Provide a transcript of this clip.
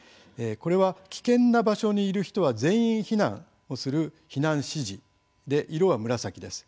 これは危険な場所にいる人は全員避難をする「避難指示」で色は紫です。